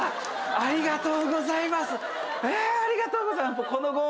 ありがとうございます。